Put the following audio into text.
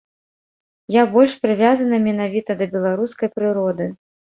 Я больш прывязаны менавіта да беларускай прыроды.